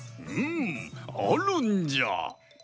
うんあるんじゃ！